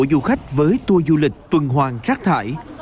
mỗi du khách với tour du lịch tuần hoàn rác thải